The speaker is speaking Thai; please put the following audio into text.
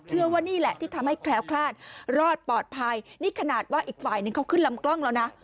เชื่อว่านี่แหละที่ทำให้แคล้วคลาดรอดปลอดภัยนี่ขนาดว่าอีกฝ่ายนึงเขาขึ้นลำกล้องแล้วนะ